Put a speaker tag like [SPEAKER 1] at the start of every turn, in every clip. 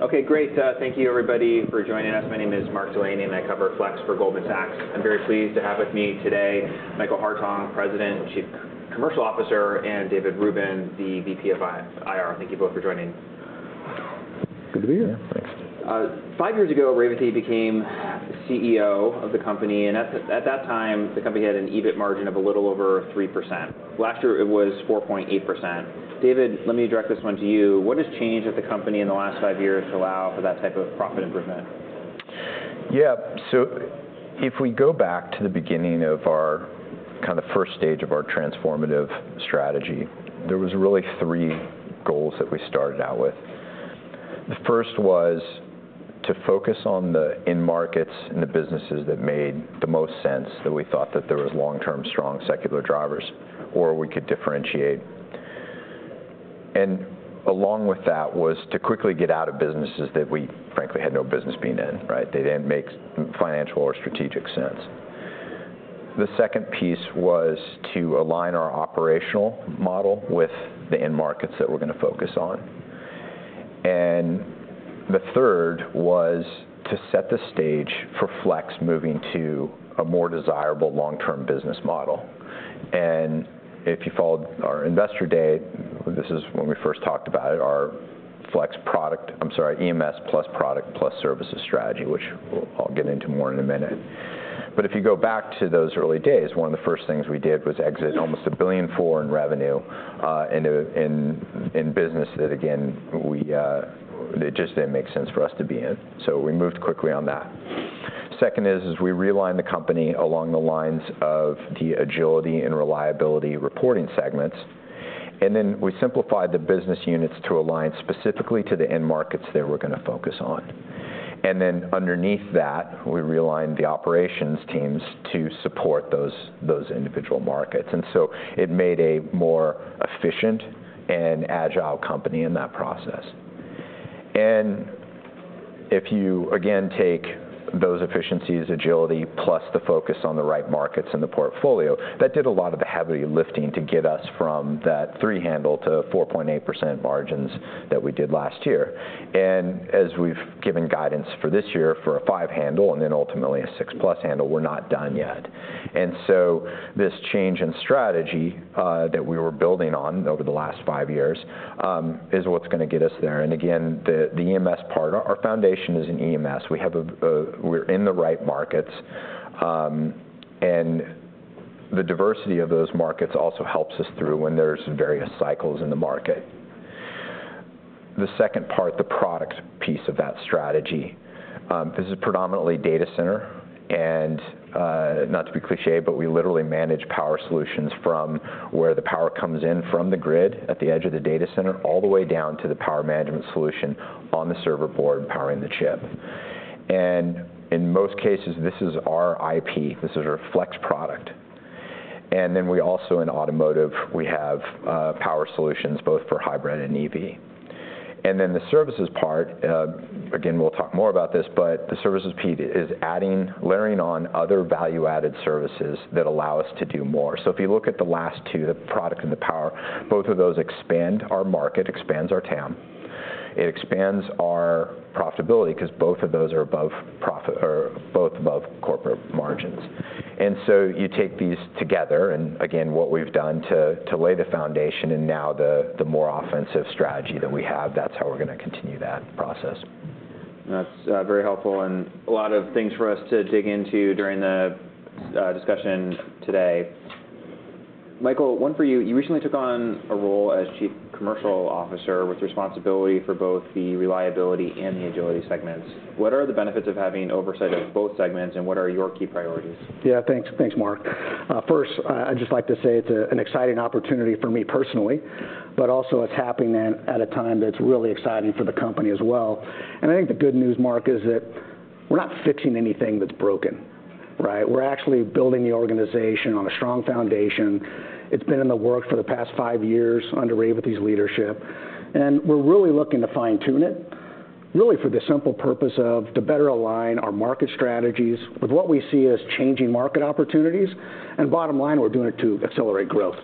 [SPEAKER 1] Okay, great. Thank you, everybody, for joining us. My name is Mark Delaney, and I cover Flex for Goldman Sachs. I'm very pleased to have with me today Michael Hartung, President and Chief Commercial Officer, and David Rubin, the VP of IR. Thank you both for joining.
[SPEAKER 2] Good to be here. Thanks.
[SPEAKER 1] Five years ago, Revathi became CEO of the company, and at that time, the company had an EBIT margin of a little over 3%. Last year, it was 4.8%. David, let me direct this one to you. What has changed at the company in the last five years to allow for that type of profit improvement?
[SPEAKER 2] Yeah, so if we go back to the beginning of our kind of first stage of our transformative strategy, there was really three goals that we started out with. The first was to focus on the end markets and the businesses that made the most sense, that we thought that there was long-term, strong secular drivers, or we could differentiate, and along with that was to quickly get out of businesses that we frankly had no business being in, right? They didn't make financial or strategic sense. The second piece was to align our operational model with the end markets that we're gonna focus on, and the third was to set the stage for Flex moving to a more desirable long-term business model, and if you followed our investor day, this is when we first talked about it, our Flex product... I'm sorry, EMS plus product plus services strategy, which I'll get into more in a minute, but if you go back to those early days, one of the first things we did was exit almost $1.4 billion in revenue in business that, again, it just didn't make sense for us to be in. So we moved quickly on that. Second is we realigned the company along the lines of the Agility and Reliability reporting segments, and then we simplified the business units to align specifically to the end markets that we're gonna focus on, and then underneath that, we realigned the operations teams to support those individual markets, and so it made a more efficient and agile company in that process. And if you, again, take those efficiencies, Agility, plus the focus on the right markets in the portfolio, that did a lot of the heavy lifting to get us from that 3% to 4.8% margins that we did last year. And as we've given guidance for this year for a 5%, and then ultimately a 6+%, we're not done yet. And so this change in strategy that we were building on over the last five years is what's gonna get us there. And again, the EMS part, our foundation is in EMS. We have a we're in the right markets, and the diversity of those markets also helps us through when there's various cycles in the market. The second part, the product piece of that strategy, this is predominantly data center, and, not to be cliché, but we literally manage power solutions from where the power comes in from the grid at the edge of the data center, all the way down to the power management solution on the server board, powering the chip. And in most cases, this is our IP. This is our Flex product. And then we also, in automotive, we have, power solutions both for hybrid and EV. And then the services part, again, we'll talk more about this, but the services piece is adding, layering on other value-added services that allow us to do more. So if you look at the last two, the product and the power, both of those expand our market, expands our TAM. It expands our profitability, 'cause both of those are above profit- or both above corporate margins. And so you take these together, and again, what we've done to lay the foundation, and now the more offensive strategy that we have, that's how we're gonna continue that process.
[SPEAKER 1] That's very helpful and a lot of things for us to dig into during the discussion today. Michael, one for you. You recently took on a role as Chief Commercial Officer, with responsibility for both the Reliability and the Agility segments. What are the benefits of having oversight of both segments, and what are your key priorities?
[SPEAKER 3] Yeah, thanks. Thanks, Mark. First, I'd just like to say it's an exciting opportunity for me personally, but also it's happening at a time that's really exciting for the company as well. And I think the good news, Mark, is that we're not fixing anything that's broken, right? We're actually building the organization on a strong foundation. It's been in the works for the past five years under Revathi’s leadership, and we're really looking to fine-tune it, really for the simple purpose to better align our market strategies with what we see as changing market opportunities, and bottom line, we're doing it to accelerate growth.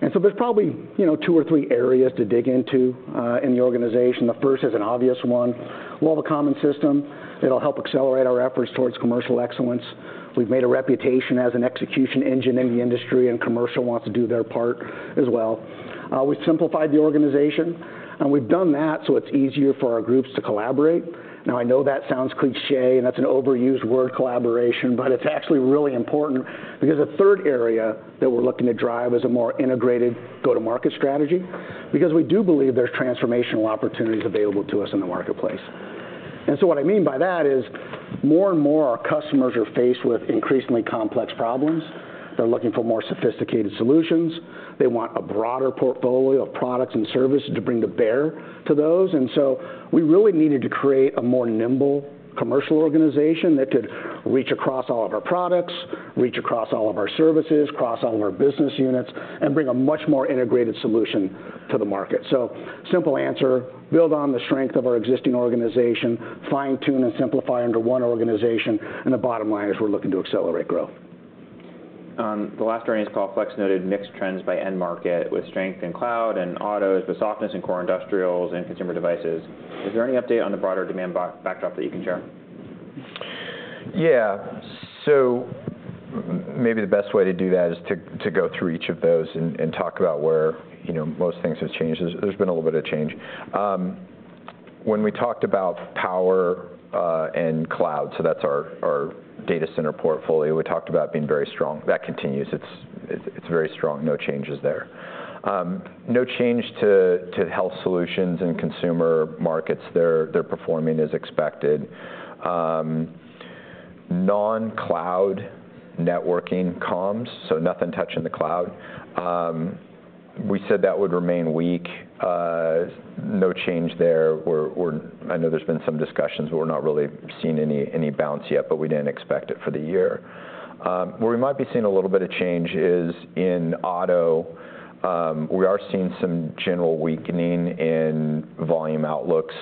[SPEAKER 3] And so there's probably, you know, two or three areas to dig into in the organization. The first is an obvious one. We'll have a common system. It'll help accelerate our efforts towards commercial excellence. We've made a reputation as an execution engine in the industry, and commercial wants to do their part as well. We've simplified the organization, and we've done that so it's easier for our groups to collaborate. Now, I know that sounds cliché, and that's an overused word, collaboration, but it's actually really important, because the third area that we're looking to drive is a more integrated go-to-market strategy, because we do believe there's transformational opportunities available to us in the marketplace. And so what I mean by that is, more and more, our customers are faced with increasingly complex problems. They're looking for more sophisticated solutions. They want a broader portfolio of products and services to bring to bear to those. And so we really needed to create a more nimble commercial organization that could reach across all of our products, reach across all of our services, across all of our business units, and bring a much more integrated solution to the market. So simple answer, build on the strength of our existing organization, fine-tune and simplify under one organization, and the bottom line is we're looking to accelerate growth. ...
[SPEAKER 1] The last earnings call, Flex noted mixed trends by end market, with strength in cloud and autos, but softness in Core Industrials and Consumer devices. Is there any update on the broader demand backdrop that you can share?
[SPEAKER 2] Yeah. So maybe the best way to do that is to go through each of those and talk about where, you know, most things have changed. There's been a little bit of change. When we talked about power and cloud, so that's our data center portfolio, we talked about being very strong. That continues. It's very strong, no changes there. No change to Health Solutions and consumer markets. They're performing as expected. Non-cloud networking comms, so nothing touching the cloud, we said that would remain weak. No change there. We're. I know there's been some discussions, but we're not really seeing any bounce yet, but we didn't expect it for the year. Where we might be seeing a little bit of change is in auto. We are seeing some general weakening in volume outlooks,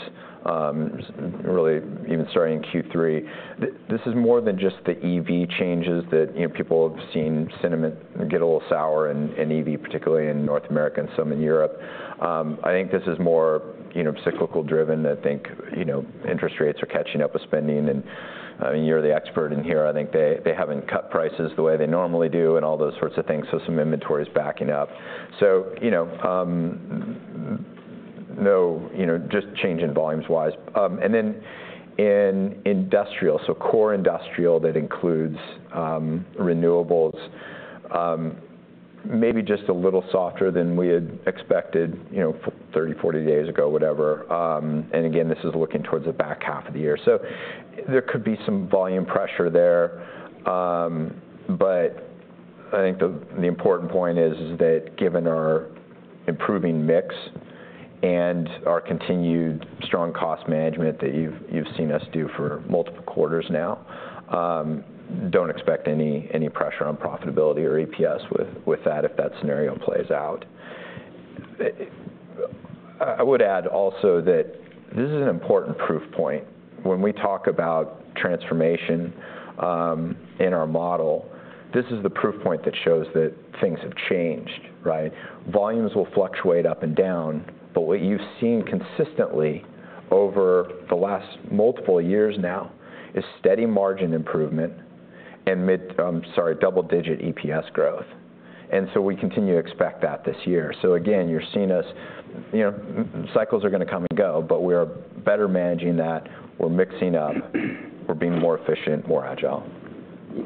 [SPEAKER 2] really even starting in Q3. This is more than just the EV changes that, you know, people have seen sentiment get a little sour in, in EV, particularly in North America and some in Europe. I think this is more, you know, cyclical driven. I think, you know, interest rates are catching up with spending, and, I mean, you're the expert in here. I think they, they haven't cut prices the way they normally do, and all those sorts of things, so some inventory is backing up. So, you know, no, you know, just change in volumes-wise. And then in industrial, so core industrial, that includes, renewables, maybe just a little softer than we had expected, you know, 30, 40 days ago, whatever. And again, this is looking towards the back half of the year. So there could be some volume pressure there. But I think the important point is that given our improving mix and our continued strong cost management that you've seen us do for multiple quarters now, don't expect any pressure on profitability or EPS with that, if that scenario plays out. I would add also that this is an important proof point. When we talk about transformation, in our model, this is the proof point that shows that things have changed, right? Volumes will fluctuate up and down, but what you've seen consistently over the last multiple years now, is steady margin improvement, and double-digit EPS growth. And so we continue to expect that this year. So again, you're seeing us, you know, cycles are gonna come and go, but we are better managing that. We're mixing up, we're being more efficient, more agile.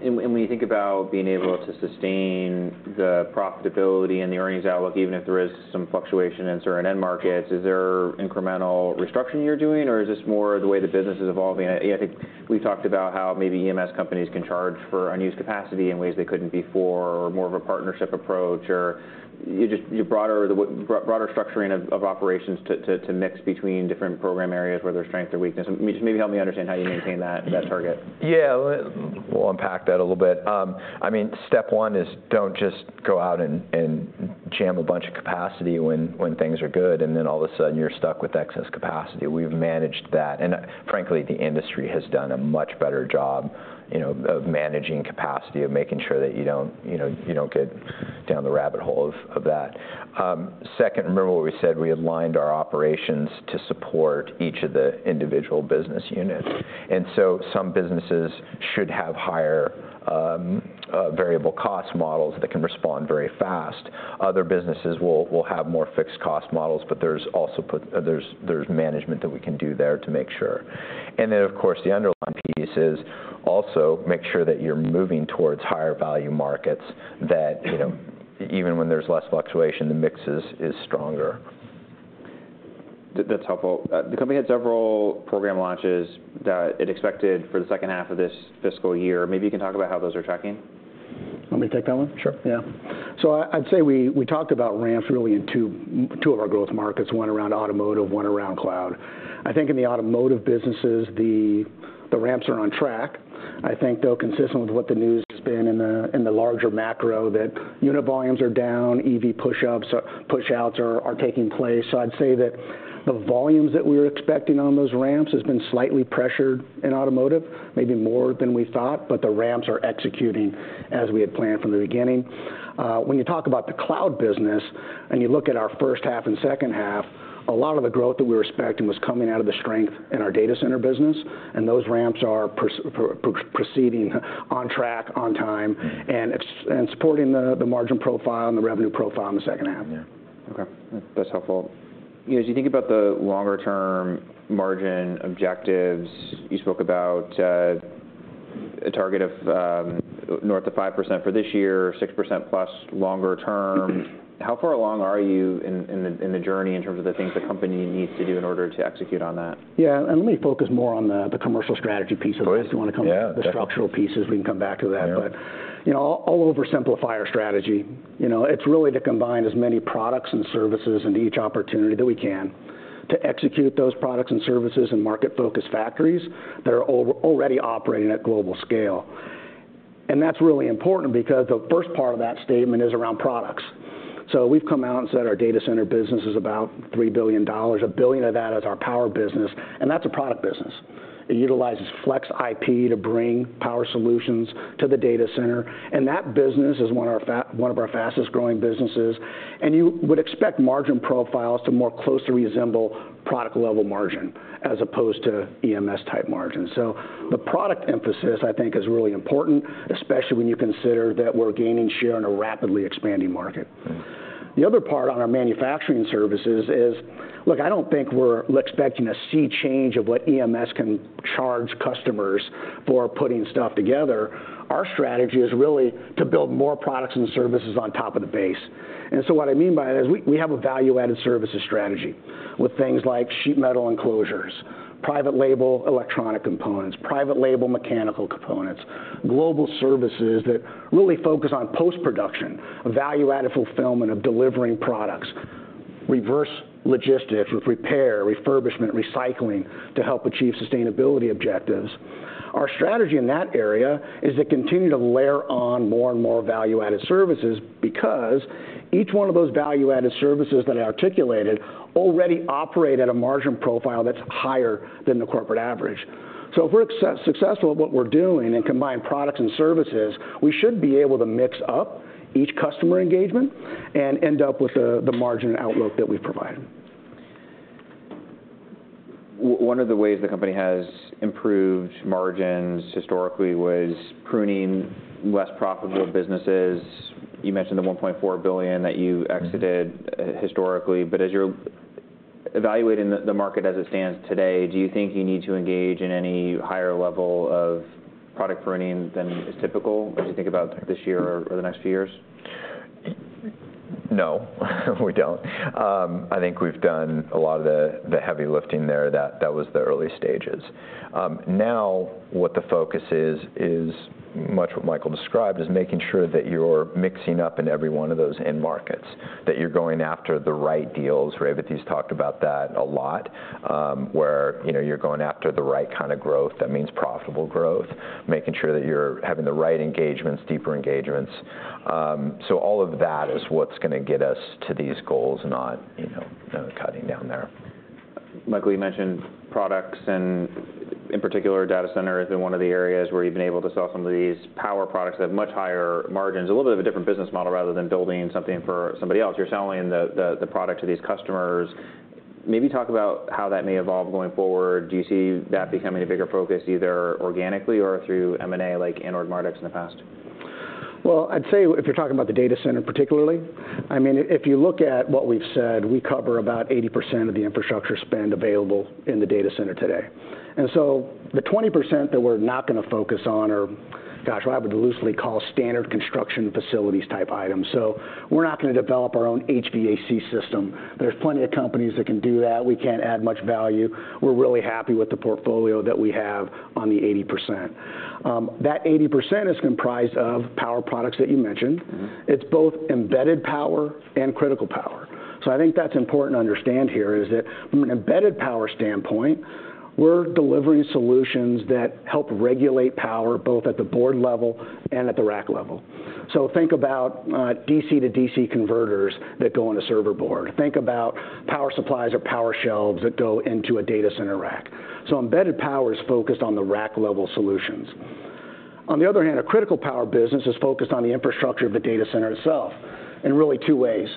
[SPEAKER 1] When you think about being able to sustain the profitability and the earnings outlook, even if there is some fluctuation in certain end markets, is there incremental restructuring you're doing, or is this more the way the business is evolving? I think we talked about how maybe EMS companies can charge for unused capacity in ways they couldn't before, or more of a partnership approach, or you just broaden the way, broader structuring of operations to mix between different program areas where there's strength or weakness. Maybe help me understand how you maintain that target.
[SPEAKER 2] Yeah. We'll unpack that a little bit. I mean, step one is don't just go out and jam a bunch of capacity when things are good, and then all of a sudden, you're stuck with excess capacity. We've managed that, and frankly, the industry has done a much better job, you know, of managing capacity, of making sure that you don't, you know, you don't get down the rabbit hole of that. Second, remember what we said, we aligned our operations to support each of the individual business units. And so some businesses should have higher variable cost models that can respond very fast. Other businesses will have more fixed cost models, but there's also management that we can do there to make sure. And then, of course, the underlying piece is also make sure that you're moving towards higher value markets that, you know, even when there's less fluctuation, the mixes is stronger.
[SPEAKER 1] That's helpful. The company had several program launches that it expected for the second half of this fiscal year. Maybe you can talk about how those are tracking.
[SPEAKER 3] Want me to take that one?
[SPEAKER 2] Sure.
[SPEAKER 3] Yeah. So I'd say we talked about ramps really in two of our growth markets, one around automotive, one around cloud. I think in the automotive businesses, the ramps are on track. I think, though, consistent with what the news has been in the larger macro, that unit volumes are down. EV push outs are taking place. So I'd say that the volumes that we were expecting on those ramps has been slightly pressured in automotive, maybe more than we thought, but the ramps are executing as we had planned from the beginning. When you talk about the cloud business, and you look at our first half and second half, a lot of the growth that we were expecting was coming out of the strength in our data center business, and those ramps are proceeding on track, on time, and supporting the margin profile and the revenue profile in the second half.
[SPEAKER 2] Yeah.
[SPEAKER 1] Okay, that's helpful. You know, as you think about the longer-term margin objectives, you spoke about a target of north of 5% for this year, 6% plus longer term. How far along are you in the journey in terms of the things the company needs to do in order to execute on that?
[SPEAKER 3] Yeah, and let me focus more on the commercial strategy piece of this.
[SPEAKER 1] Yeah.
[SPEAKER 3] If you wanna come to the structural pieces, we can come back to that.
[SPEAKER 1] Yeah.
[SPEAKER 3] But, you know, I'll oversimplify our strategy. You know, it's really to combine as many products and services into each opportunity that we can, to execute those products and services in market-focused factories that are already operating at global scale. And that's really important because the first part of that statement is around products... So we've come out and said our data center business is about $3 billion. $1 billion of that is our power business, and that's a product business. It utilizes Flex IP to bring power solutions to the data center, and that business is one of our fastest growing businesses. And you would expect margin profiles to more closely resemble product-level margin as opposed to EMS-type margins. So the product emphasis, I think, is really important, especially when you consider that we're gaining share in a rapidly expanding market. The other part on our manufacturing services is, look, I don't think we're expecting a sea change of what EMS can charge customers for putting stuff together. Our strategy is really to build more products and services on top of the base. And so what I mean by that is we have a value-added services strategy, with things like sheet metal enclosures, private label electronic components, private label mechanical components, global services that really focus on post-production, value-added fulfillment of delivering products, reverse logistics with repair, refurbishment, recycling, to help achieve sustainability objectives. Our strategy in that area is to continue to layer on more and more value-added services, because each one of those value-added services that I articulated already operate at a margin profile that's higher than the corporate average. So if we're successful at what we're doing and combine products and services, we should be able to mix up each customer engagement and end up with the margin outlook that we've provided.
[SPEAKER 1] One of the ways the company has improved margins historically was pruning less profitable businesses. You mentioned the $1.4 billion that you exited historically, but as you're evaluating the market as it stands today, do you think you need to engage in any higher level of product pruning than is typical, as you think about this year or the next few years?
[SPEAKER 2] No, we don't. I think we've done a lot of the heavy lifting there. That was the early stages. Now what the focus is much what Michael described, is making sure that you're mixing up in every one of those end markets, that you're going after the right deals. Revathi, he's talked about that a lot, where, you know, you're going after the right kind of growth. That means profitable growth, making sure that you're having the right engagements, deeper engagements. So all of that is what's gonna get us to these goals, not, you know, cutting down there.
[SPEAKER 1] Michael, you mentioned products and, in particular, data center has been one of the areas where you've been able to sell some of these power products at much higher margins. A little bit of a different business model, rather than building something for somebody else. You're selling the product to these customers. Maybe talk about how that may evolve going forward. Do you see that becoming a bigger focus, either organically or through M&A, like Anord Mardix in the past?
[SPEAKER 3] I'd say if you're talking about the data center particularly, I mean, if you look at what we've said, we cover about 80% of the infrastructure spend available in the data center today. The 20% that we're not gonna focus on are, gosh, what I would loosely call standard construction facilities-type items. We're not gonna develop our own HVAC system. There's plenty of companies that can do that. We can't add much value. We're really happy with the portfolio that we have on the 80%. That 80% is comprised of power products that you mentioned.
[SPEAKER 1] Mm-hmm.
[SPEAKER 3] It's both embedded power and critical power. So I think that's important to understand here, is that from an embedded power standpoint, we're delivering solutions that help regulate power, both at the board level and at the rack level. So think about, DC to DC converters that go on a server board. Think about power supplies or power shelves that go into a data center rack. So embedded power is focused on the rack-level solutions. On the other hand, a critical power business is focused on the infrastructure of the data center itself, in really two ways.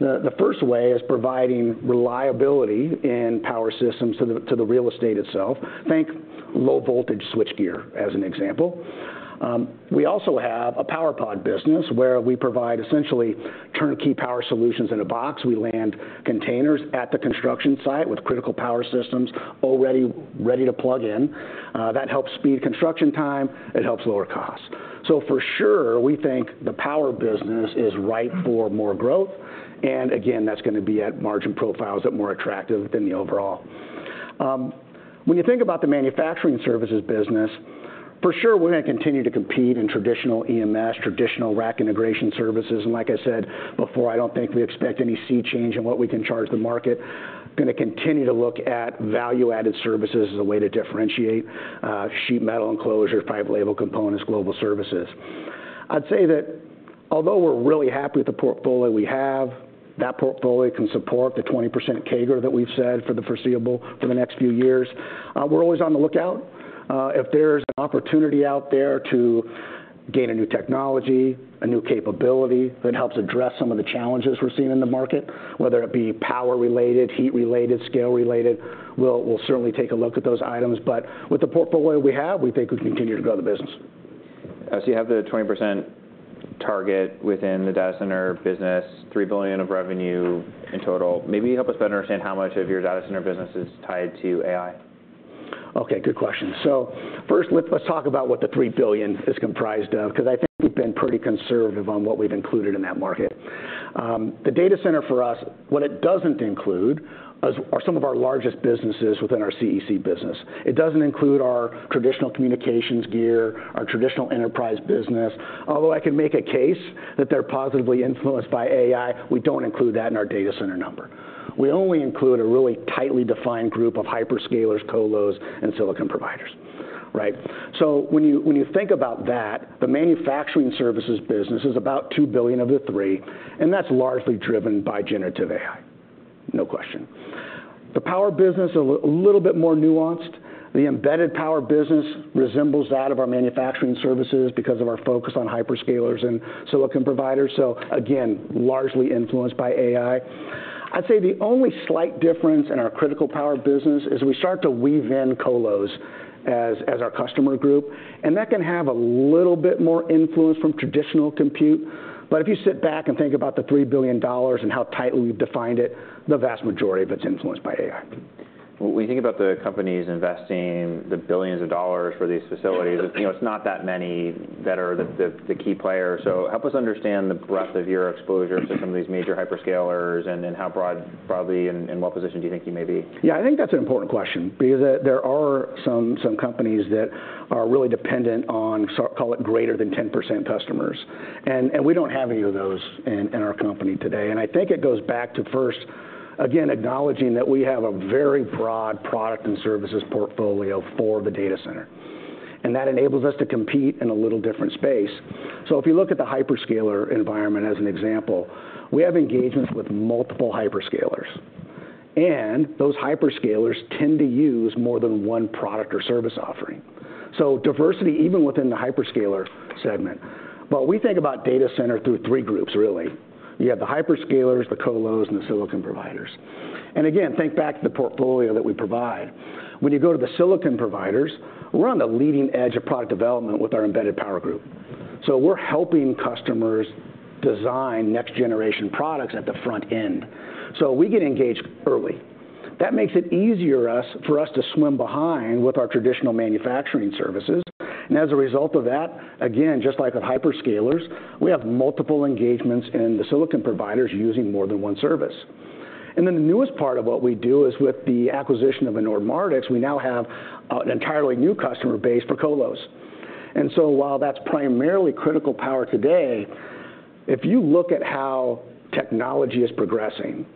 [SPEAKER 3] The first way is providing reliability in power systems to the real estate itself. Think low-voltage switchgear, as an example. We also have a power pod business, where we provide essentially turnkey power solutions in a box. We land containers at the construction site with critical power systems already ready to plug in. That helps speed construction time, it helps lower costs, so for sure, we think the power business is ripe for more growth, and again, that's gonna be at margin profiles that are more attractive than the overall. When you think about the manufacturing services business, for sure, we're gonna continue to compete in traditional EMS, traditional rack integration services, and like I said before, I don't think we expect any sea change in what we can charge the market. Gonna continue to look at value-added services as a way to differentiate, sheet metal enclosures, private label components, global services. I'd say that although we're really happy with the portfolio we have, that portfolio can support the 20% CAGR that we've said for the next few years. We're always on the lookout. If there's an opportunity out there to gain a new technology, a new capability that helps address some of the challenges we're seeing in the market, whether it be power-related, heat-related, scale-related, we'll certainly take a look at those items. But with the portfolio we have, we think we can continue to grow the business.
[SPEAKER 1] As you have the 20% target within the data center business, $3 billion of revenue in total, maybe help us better understand how much of your data center business is tied to AI?
[SPEAKER 3] Okay, good question. So first, let's talk about what the $3 billion is comprised of, because I think we've been pretty conservative on what we've included in that market. The data center for us, what it doesn't include, is some of our largest businesses within our CEC business. It doesn't include our traditional communications gear, our traditional enterprise business. Although I can make a case that they're positively influenced by AI, we don't include that in our data center number. We only include a really tightly defined group of hyperscalers, colos, and silicon providers... Right? So when you think about that, the manufacturing services business is about $2 billion of the $3 billion, and that's largely driven by generative AI, no question. The power business, a little bit more nuanced. The embedded power business resembles that of our manufacturing services because of our focus on hyperscalers and silicon providers, so again, largely influenced by AI. I'd say the only slight difference in our critical power business is we start to weave in colos as our customer group, and that can have a little bit more influence from traditional compute. But if you sit back and think about the $3 billion and how tightly we've defined it, the vast majority of it's influenced by AI.
[SPEAKER 1] When we think about the companies investing the billions of dollars for these facilities, you know, it's not that many that are the key players. So help us understand the breadth of your exposure to some of these major hyperscalers, and then how broad, broadly, and in what position do you think you may be?
[SPEAKER 3] Yeah, I think that's an important question because there are some companies that are really dependent on, so call it greater than 10% customers, and we don't have any of those in our company today, and I think it goes back to first, again, acknowledging that we have a very broad product and services portfolio for the data center, and that enables us to compete in a little different space, so if you look at the hyperscaler environment as an example, we have engagements with multiple hyperscalers, and those hyperscalers tend to use more than one product or service offering, so diversity, even within the hyperscaler segment, but we think about data center through three groups, really. You have the hyperscalers, the colos, and the silicon providers, and again, think back to the portfolio that we provide. When you go to the silicon providers, we're on the leading edge of product development with our embedded power group, so we're helping customers design next-generation products at the front end, so we get engaged early. That makes it easier for us to swim behind with our traditional manufacturing services, and as a result of that, again, just like with hyperscalers, we have multiple engagements in the silicon providers using more than one service, and then the newest part of what we do is, with the acquisition of Anord Mardix, we now have an entirely new customer base for colos. And so while that's primarily critical power today, if you look at how technology is progressing,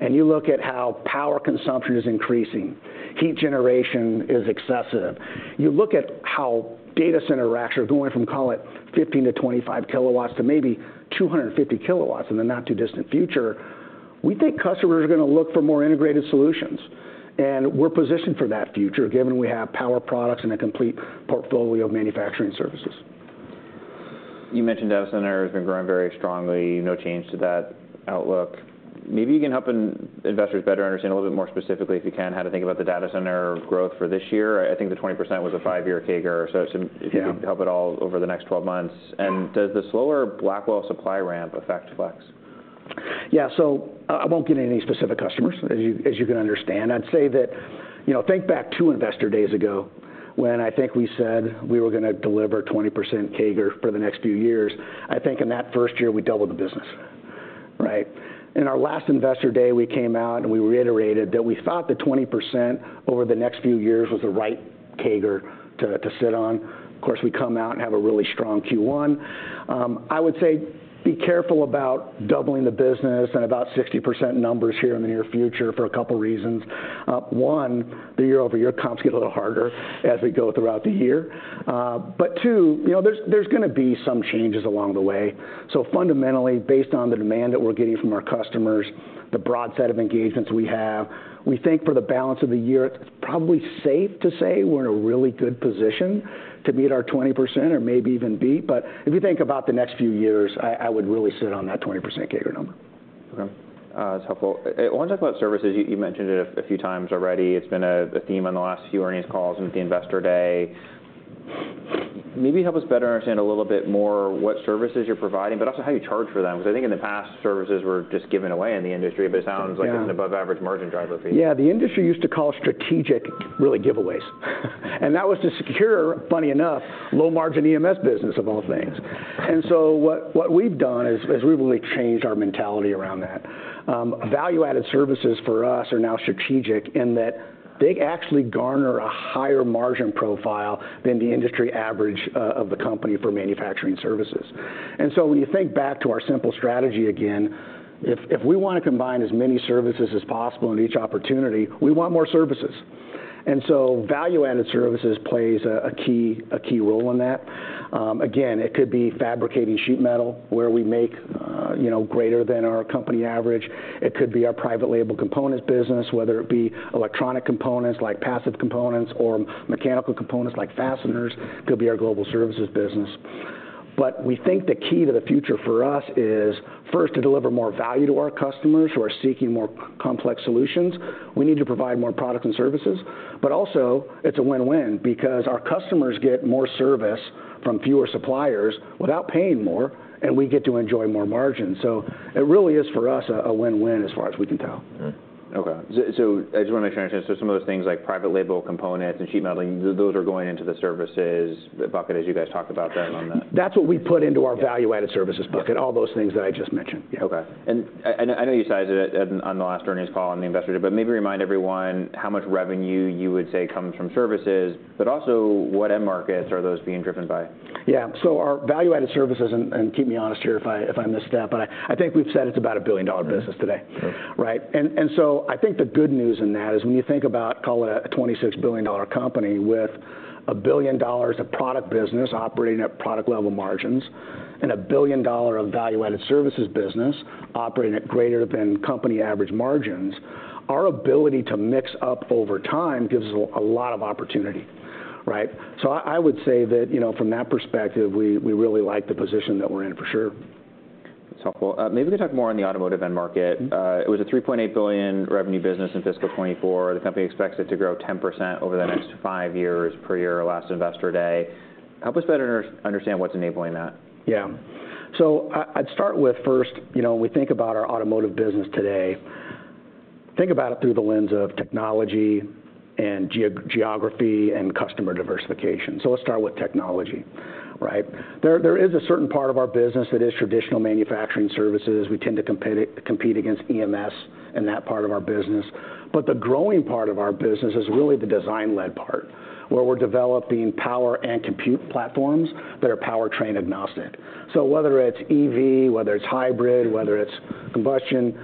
[SPEAKER 3] and you look at how power consumption is increasing, heat generation is excessive, you look at how data center racks are going from, call it, 15-25 kilowatts to maybe 250 kilowatts in the not-too-distant future, we think customers are going to look for more integrated solutions, and we're positioned for that future, given we have power products and a complete portfolio of manufacturing services.
[SPEAKER 1] You mentioned data center has been growing very strongly. No change to that outlook. Maybe you can help investors better understand a little bit more specifically, if you can, how to think about the data center growth for this year. I think the 20% was a five-year CAGR, so if-
[SPEAKER 3] Yeah...
[SPEAKER 1] you could help at all over the next twelve months. And does the slower Blackwell supply ramp affect Flex?
[SPEAKER 3] Yeah, so I won't get into any specific customers, as you can understand. I'd say that, you know, think back two investor days ago, when I think we said we were going to deliver 20% CAGR for the next few years. I think in that first year, we doubled the business, right? In our last investor day, we came out, and we reiterated that we thought the 20% over the next few years was the right CAGR to sit on. Of course, we come out and have a really strong Q1. I would say, be careful about doubling the business and about 60% numbers here in the near future for a couple reasons. One, the year-over-year comps get a little harder as we go throughout the year. But two, you know, there's going to be some changes along the way. Fundamentally, based on the demand that we're getting from our customers, the broad set of engagements we have, we think for the balance of the year, it's probably safe to say we're in a really good position to meet our 20% or maybe even beat. But if you think about the next few years, I would really sit on that 20% CAGR number.
[SPEAKER 1] Okay. That's helpful. I want to talk about services. You mentioned it a few times already. It's been a theme on the last few earnings calls with the investor day. Maybe help us better understand a little bit more what services you're providing, but also how you charge for them, because I think in the past, services were just given away in the industry, but it sounds like-
[SPEAKER 3] Yeah...
[SPEAKER 1] an above-average margin driver for you.
[SPEAKER 3] Yeah, the industry used to call strategic, really, giveaways. And that was to secure, funny enough, low-margin EMS business, of all things. And so what we've done is we've really changed our mentality around that. Value-added services for us are now strategic in that they actually garner a higher margin profile than the industry average of the company for manufacturing services. And so when you think back to our simple strategy again, if we want to combine as many services as possible in each opportunity, we want more services. And so value-added services plays a key role in that. Again, it could be fabricating sheet metal, where we make, you know, greater than our company average. It could be our private label components business, whether it be electronic components, like passive components, or mechanical components, like fasteners. It could be our global services business. But we think the key to the future for us is, first, to deliver more value to our customers who are seeking more complex solutions. We need to provide more products and services, but also it's a win-win because our customers get more service from fewer suppliers without paying more, and we get to enjoy more margin. So it really is, for us, a win-win, as far as we can tell.
[SPEAKER 1] All right. Okay. So I just want to make sure I understand, so some of those things, like private label components and sheet metal, those are going into the services, the bucket, as you guys talked about them on the-
[SPEAKER 3] That's what we put into our value-added services bucket, all those things that I just mentioned.
[SPEAKER 1] Okay. And I know you sized it at, on the last earnings call on the investor, but maybe remind everyone how much revenue you would say comes from services, but also what end markets are those being driven by?
[SPEAKER 3] Yeah, so our value-added services, and keep me honest here if I miss a step, but I think we've said it's about a $1 billion business today.
[SPEAKER 1] Mm-hmm.
[SPEAKER 3] Right? And so I think the good news in that is when you think about, call it a $26 billion company with a $1 billion of product business operating at product-level margins, and a $1 billion of value-added services business operating at greater than company average margins, our ability to mix up over time gives us a lot of opportunity, right? So I would say that, you know, from that perspective, we really like the position that we're in, for sure.
[SPEAKER 1] That's helpful. Maybe we talk more on the automotive end market.
[SPEAKER 3] Mm-hmm.
[SPEAKER 1] It was a $3.8 billion revenue business in fiscal 2024. The company expects it to grow 10% over the next five years per year, last investor day. Help us better understand what's enabling that.
[SPEAKER 3] Yeah. So I'd start with, first, you know, when we think about our automotive business today, think about it through the lens of technology and geography and customer diversification. So let's start with technology, right? There is a certain part of our business that is traditional manufacturing services. We tend to compete against EMS in that part of our business. But the growing part of our business is really the design-led part, where we're developing power and compute platforms that are powertrain-agnostic. So whether it's EV, whether it's hybrid, whether it's combustion,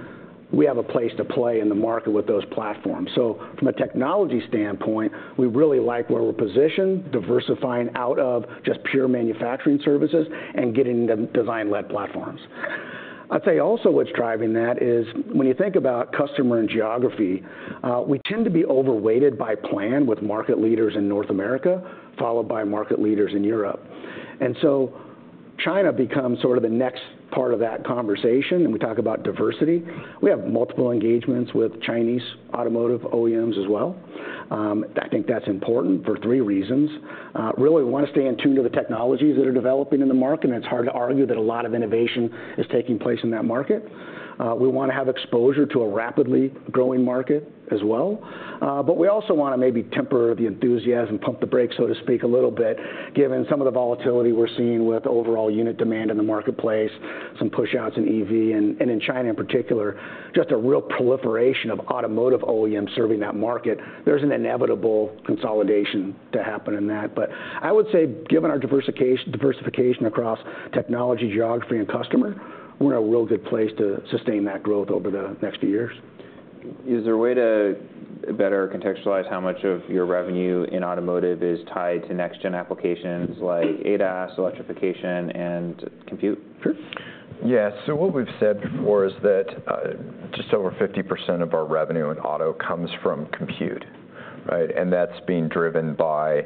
[SPEAKER 3] we have a place to play in the market with those platforms. So from a technology standpoint, we really like where we're positioned, diversifying out of just pure manufacturing services and getting into design-led platforms. I'd say also what's driving that is, when you think about customer and geography, we tend to be overweighted by plan with market leaders in North America, followed by market leaders in Europe. And so China becomes sort of the next part of that conversation, and we talk about diversity. We have multiple engagements with Chinese automotive OEMs as well. I think that's important for three reasons. Really, we wanna stay in tune to the technologies that are developing in the market, and it's hard to argue that a lot of innovation is taking place in that market. We wanna have exposure to a rapidly growing market as well. but we also wanna maybe temper the enthusiasm, pump the brakes, so to speak, a little bit, given some of the volatility we're seeing with overall unit demand in the marketplace, some push-outs in EV, and in China, in particular, just a real proliferation of automotive OEMs serving that market. There's an inevitable consolidation to happen in that. But I would say, given our diversification across technology, geography, and customer, we're in a real good place to sustain that growth over the next few years.
[SPEAKER 1] Is there a way to better contextualize how much of your revenue in automotive is tied to next-gen applications like ADAS, electrification, and compute?
[SPEAKER 3] Sure. Yeah, so what we've said before is that, just over 50% of our revenue in auto comes from compute, right? And that's being driven by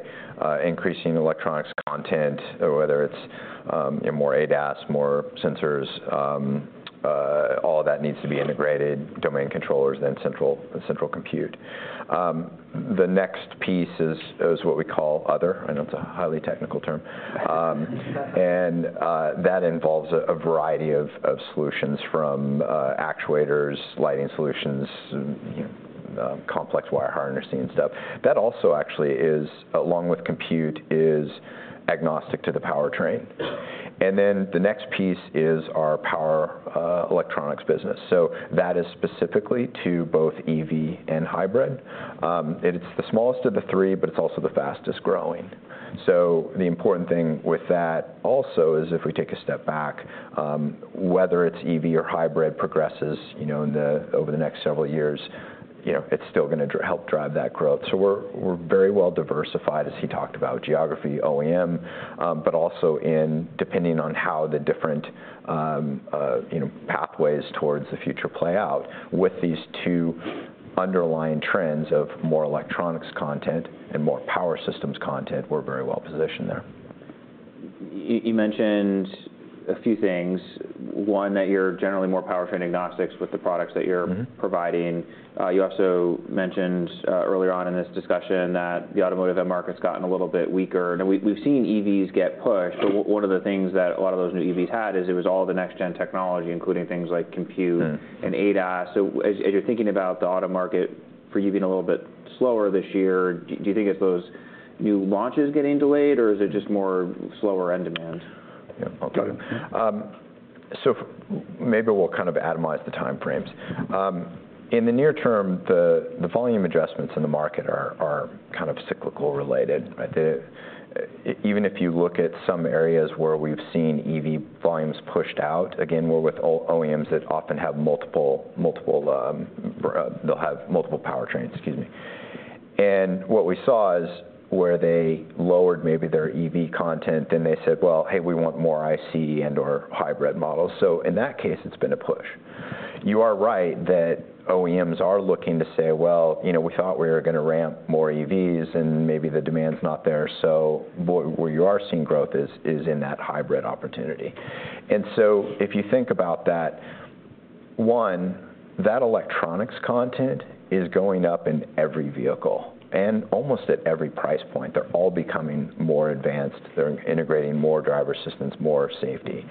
[SPEAKER 3] increasing electronics content, whether it's more ADAS, more sensors, all of that needs to be integrated, domain controllers, then central compute. The next piece is what we call other. I know it's a highly technical term. And that involves a variety of solutions from actuators, lighting solutions, complex wire harnessing and stuff. That also actually, along with compute, is agnostic to the powertrain. And then the next piece is our power electronics business. So that is specifically to both EV and hybrid. It's the smallest of the three, but it's also the fastest-growing. So the important thing with that also is, if we take a step back, whether it's EV or hybrid progresses, you know, in the over the next several years, you know, it's still gonna help drive that growth. So we're very well-diversified, as he talked about, geography, OEM, but also in depending on how the different, you know, pathways towards the future play out. With these two underlying trends of more electronics content and more power systems content, we're very well-positioned there.
[SPEAKER 1] You mentioned a few things. One, that you're generally more powertrain agnostic with the products that you're-
[SPEAKER 2] Mm-hmm
[SPEAKER 1] ...providing. You also mentioned earlier on in this discussion that the automotive end market's gotten a little bit weaker. Now, we've seen EVs get pushed, but one of the things that a lot of those new EVs had is it was all the next-gen technology, including things like compute-
[SPEAKER 2] Mm...
[SPEAKER 1] and ADAS. So as you're thinking about the auto market for you being a little bit slower this year, do you think it's those new launches getting delayed, or is it just more slower end demand?
[SPEAKER 2] Yeah, I'll take it. So maybe we'll kind of atomize the timeframes. In the near term, the volume adjustments in the market are kind of cyclical related, right? Even if you look at some areas where we've seen EV volumes pushed out, again, we're with OEMs that often have multiple powertrains, excuse me. And what we saw is, where they lowered maybe their EV content, then they said, "Well, hey, we want more IC and/or hybrid models." So in that case, it's been a push. You are right that OEMs are looking to say, "Well, you know, we thought we were gonna ramp more EVs, and maybe the demand's not there." So where you are seeing growth is in that hybrid opportunity. And so if you think about that, one, that electronics content is going up in every vehicle and almost at every price point. They're all becoming more advanced. They're integrating more driver assistance, more safety,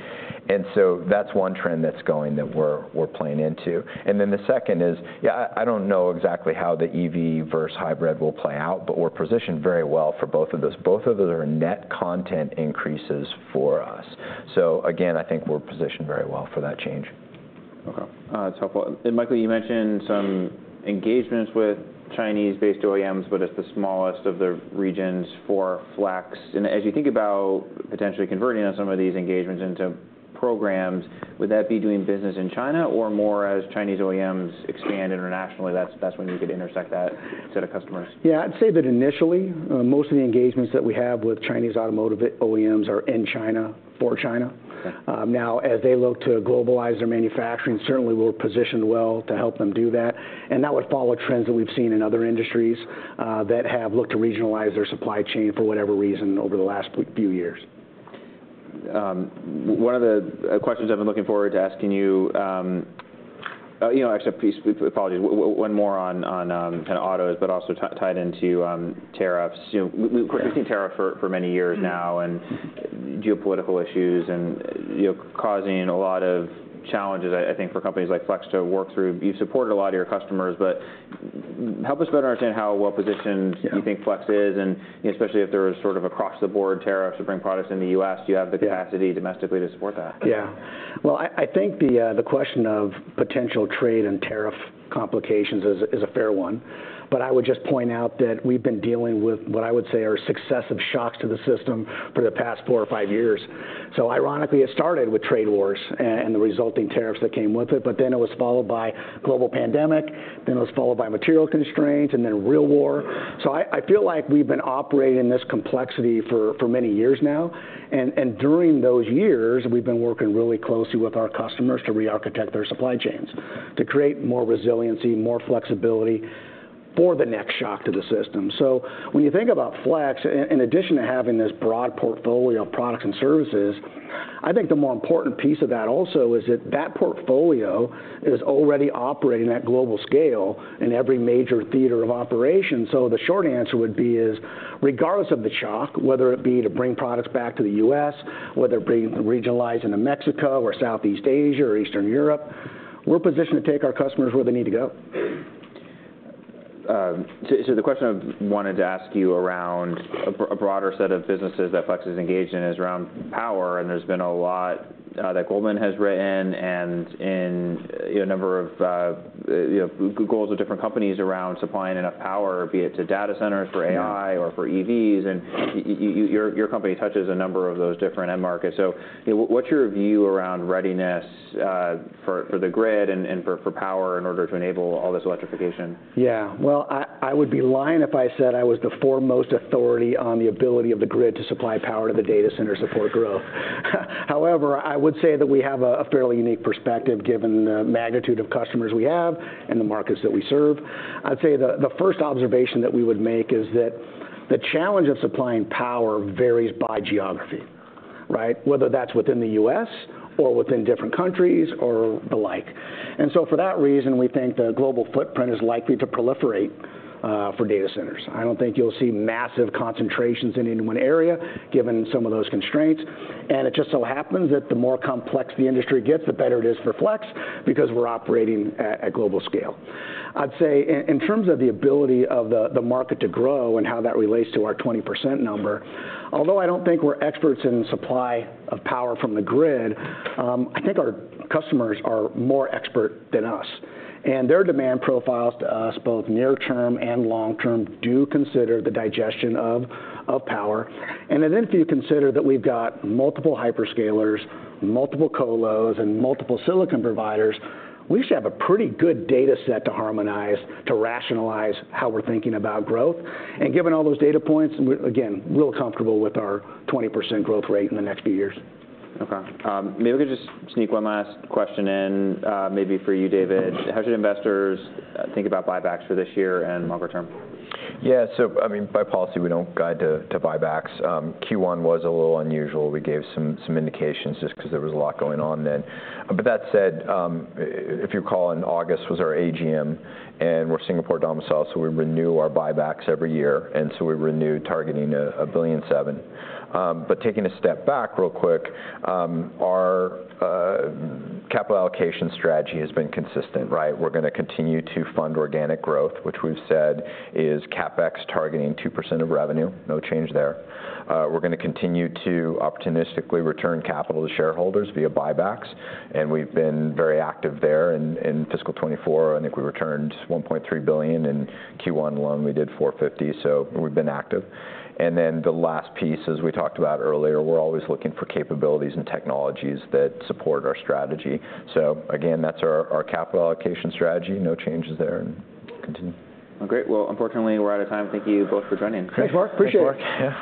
[SPEAKER 2] and so that's one trend that's going that we're playing into. And then the second is, yeah, I don't know exactly how the EV versus hybrid will play out, but we're positioned very well for both of those. Both of those are net content increases for us. So again, I think we're positioned very well for that change....
[SPEAKER 1] Okay, that's helpful. And Michael, you mentioned some engagements with Chinese-based OEMs, but it's the smallest of the regions for Flex. And as you think about potentially converting on some of these engagements into programs, would that be doing business in China or more as Chinese OEMs expand internationally, that's when you could intersect that set of customers?
[SPEAKER 3] Yeah, I'd say that initially, most of the engagements that we have with Chinese automotive OEMs are in China, for China.
[SPEAKER 1] Okay.
[SPEAKER 3] Now, as they look to globalize their manufacturing, certainly we're positioned well to help them do that, and that would follow trends that we've seen in other industries, that have looked to regionalize their supply chain for whatever reason over the last few years.
[SPEAKER 1] One of the questions I've been looking forward to asking you, you know, actually, please, apologies. One more on kind of autos, but also tied into tariffs. You know, we've-
[SPEAKER 3] Yeah...
[SPEAKER 1] seen tariffs for many years now.
[SPEAKER 3] Mm...
[SPEAKER 1] and geopolitical issues and, you know, causing a lot of challenges, I think, for companies like Flex to work through. You've supported a lot of your customers, but help us better understand how well-positioned-
[SPEAKER 3] Yeah...
[SPEAKER 1] you think Flex is, and, especially if there is sort of across the board tariffs to bring products in the U.S., do you have the capacity-
[SPEAKER 3] Yeah...
[SPEAKER 1] domestically to support that?
[SPEAKER 3] Yeah. Well, I think the question of potential trade and tariff complications is a fair one, but I would just point out that we've been dealing with what I would say are successive shocks to the system for the past four or five years. So ironically, it started with trade wars and the resulting tariffs that came with it, but then it was followed by global pandemic, then it was followed by material constraints, and then real war. So I feel like we've been operating in this complexity for many years now, and during those years, we've been working really closely with our customers to rearchitect their supply chains, to create more resiliency, more flexibility for the next shock to the system. So when you think about Flex, in addition to having this broad portfolio of products and services, I think the more important piece of that also is that that portfolio is already operating at global scale in every major theater of operation. So the short answer would be, regardless of the shock, whether it be to bring products back to the U.S., whether it be regionalizing to Mexico or Southeast Asia or Eastern Europe, we're positioned to take our customers where they need to go.
[SPEAKER 1] So, the question I wanted to ask you around a broader set of businesses that Flex is engaged in is around power, and there's been a lot that Goldman has written and in, you know, a number of, you know, calls of different companies around supplying enough power, be it to data centers for AI-
[SPEAKER 3] Yeah...
[SPEAKER 1] or for EVs, and your company touches a number of those different end markets. So, you know, what's your view around readiness for the grid and for power in order to enable all this electrification?
[SPEAKER 3] Yeah. Well, I would be lying if I said I was the foremost authority on the ability of the grid to supply power to the data center support growth. However, I would say that we have a fairly unique perspective, given the magnitude of customers we have and the markets that we serve. I'd say the first observation that we would make is that the challenge of supplying power varies by geography, right? Whether that's within the U.S. or within different countries or the like. And so for that reason, we think the global footprint is likely to proliferate for data centers. I don't think you'll see massive concentrations in any one area, given some of those constraints. And it just so happens that the more complex the industry gets, the better it is for Flex, because we're operating at global scale. I'd say in terms of the ability of the market to grow and how that relates to our 20% number, although I don't think we're experts in supply of power from the grid. I think our customers are more expert than us, and their demand profiles to us, both near term and long term, do consider the digestion of power. And then if you consider that we've got multiple hyperscalers, multiple colos, and multiple silicon providers, we should have a pretty good data set to harmonize, to rationalize how we're thinking about growth. And given all those data points, we're again real comfortable with our 20% growth rate in the next few years.
[SPEAKER 1] Okay. Maybe we could just sneak one last question in, maybe for you, David.
[SPEAKER 2] Mm-hmm.
[SPEAKER 1] How should investors think about buybacks for this year and longer term?
[SPEAKER 2] Yeah, so I mean, by policy, we don't guide to buybacks. Q1 was a little unusual. We gave some indications, just 'cause there was a lot going on then, but that said, if you recall, in August was our AGM, and we're Singapore domiciled, so we renew our buybacks every year, and so we renewed targeting $1.7 billion, but taking a step back real quick, our capital allocation strategy has been consistent, right? We're gonna continue to fund organic growth, which we've said is CapEx targeting 2% of revenue. No change there. We're gonna continue to optimistically return capital to shareholders via buybacks, and we've been very active there in fiscal 2024. I think we returned $1.3 billion. In Q1 alone, we did $450 million, so we've been active. And then the last piece, as we talked about earlier, we're always looking for capabilities and technologies that support our strategy. So again, that's our capital allocation strategy. No changes there, and continuing.
[SPEAKER 1] Well, great. Well, unfortunately, we're out of time. Thank you both for joining.
[SPEAKER 3] Thanks, Mark. Appreciate it.
[SPEAKER 2] Thanks, Mark. Yeah.